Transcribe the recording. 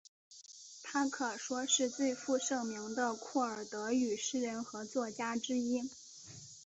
她可说是最负盛名的库尔德语诗人和作家之一。